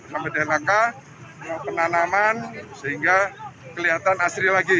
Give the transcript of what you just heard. sama dlhk penanaman sehingga kelihatan asri lagi